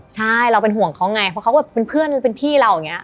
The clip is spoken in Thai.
ใช่เราเป็นห่วงเขาไงเพราะเขาก็เป็นเพื่อนเป็นพี่เราอย่างนี้